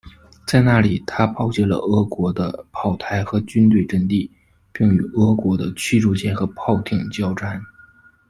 在那里，它炮击了俄国的炮台和军队阵地，并与俄国的驱逐舰和炮艇交战。